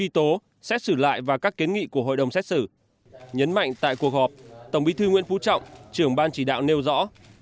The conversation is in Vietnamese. tổng bí thư nguyễn phú trọng trưởng ban chỉ đạo nêu rõ